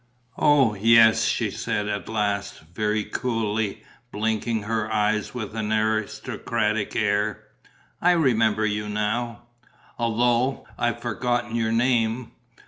"Oh, yes," she said, at last, very coolly, blinking her eyes with an aristocratic air, "I remember you now ... although I've forgotten your name.